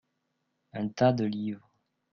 Un tas de livres.